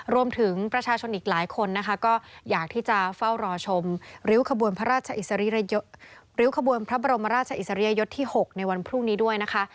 รวมถึงประชาชนอีกหลายคนนะคะก็อยากที่จะเฝ้ารอชมริ้วขบวนพระราชริ้วขบวนพระบรมราชอิสริยยศที่๖ในวันพรุ่งนี้ด้วยนะคะ